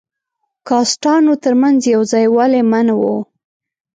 کاسټانو تر منځ یو ځای والی منع وو.